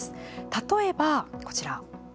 例えば、こちら。